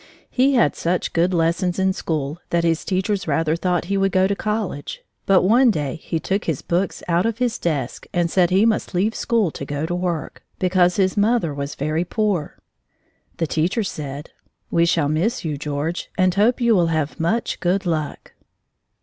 He had such good lessons in school that his teachers rather thought he would go to college, but one day he took his books out of his desk and said he must leave school and go to work, because his mother was very poor. The teacher said: "We shall miss you, George, and hope you will have much good luck!"